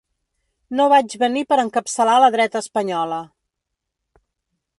No vaig venir per encapçalar la dreta espanyola.